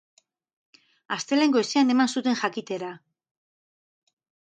Astelehen goizean eman zuten jakitera.